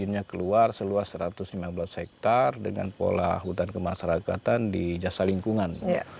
izinnya keluar seluas satu ratus lima belas hektare dengan pola hutan kemasyarakatan di jasa lingkungan